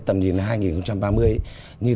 tầm nhìn hai nghìn ba mươi như